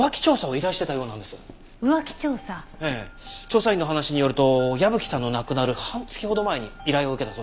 調査員の話によると矢吹さんの亡くなる半月ほど前に依頼を受けたそうです。